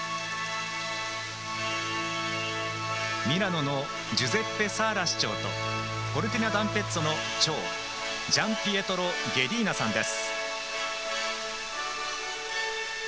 ミラノのジュゼッペ・サーラ市長とコルティナダンペッツォの長ジャンピエトロ・ゲディーナさん。